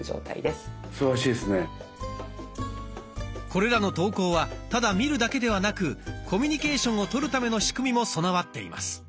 これらの投稿はただ見るだけではなくコミュニケーションを取るための仕組みも備わっています。